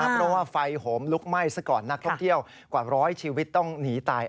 เพราะว่าไฟโหมลุกไหม้ซะก่อนนักท่องเที่ยวกว่าร้อยชีวิตต้องหนีตาย